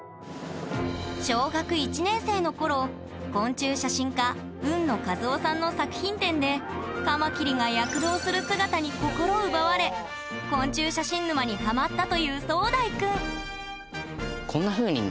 小学１年生の頃昆虫写真家海野和男さんの作品展でカマキリが躍動する姿に心を奪われ昆虫写真沼にハマったという壮大くん